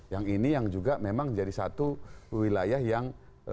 yang ini yang juga memang jadi satu wilayah yang